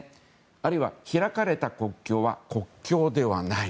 あるいは開かれた国境は国境ではない。